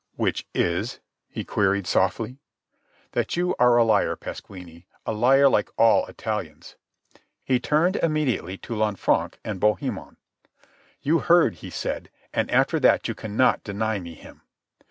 "Which is?" he queried softly. "That you are a liar, Pasquini, a liar like all Italians." He turned immediately to Lanfranc and Bohemond. "You heard," he said. "And after that you cannot deny me him."